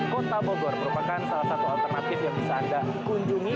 kota bogor merupakan salah satu alternatif yang bisa anda kunjungi